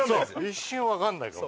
一瞬わかんないかも。